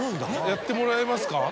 やってもらえますか？